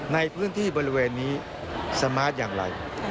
ในพื้นที่บริเวณนี้สมาร์ทอย่างไร